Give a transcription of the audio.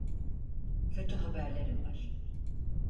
Kötü haberlerim var.